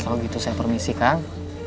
kalau begitu saya permisi kang